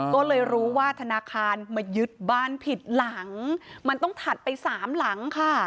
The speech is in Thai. ก็เลยรู้ว่าธนาคารมายึดบ้านผิดหลังมันต้องถัดไปสามหลังค่ะ